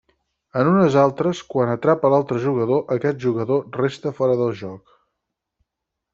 En unes altres, quan atrapa l'altre jugador, aquest jugador resta fora del joc.